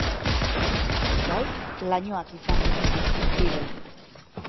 Gaur, lainoak izan ditugu hizpide.